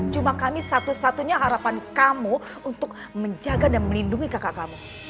cuma kami satu satunya harapan kamu untuk menjaga dan melindungi kakak kamu